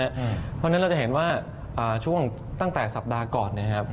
เพราะฉะนั้นเราจะเห็นว่าช่วงตั้งแต่สัปดาห์ก่อนนะครับ